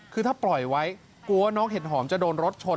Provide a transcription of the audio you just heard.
คือถ้าปล่อยไว้กลัวว่าน้องเห็ดหอมจะโดนรถชน